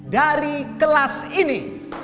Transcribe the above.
dari kelas ini